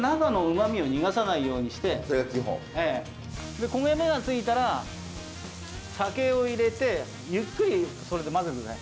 で焦げ目がついたら酒を入れてゆっくりそれで混ぜて下さい。